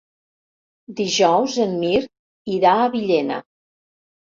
Dijous en Mirt irà a Villena.